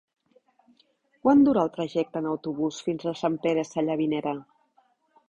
Quant dura el trajecte en autobús fins a Sant Pere Sallavinera?